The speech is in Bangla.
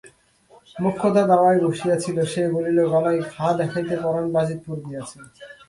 মোক্ষদা দাওয়ায় বসিয়া ছিল, সে বলিল, গলায় ঘা দেখাইতে পরান বাজিতপুর গিয়াছে।